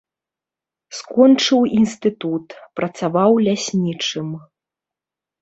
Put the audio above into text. Скончыў інстытут, працаваў ляснічым.